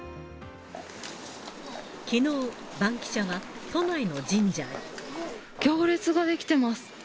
きのう、バンキシャは都内の行列が出来てます。